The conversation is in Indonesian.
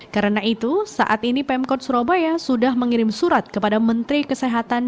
karena itu saat ini pemkot surabaya sudah mengirim surat kepada menteri kesehatan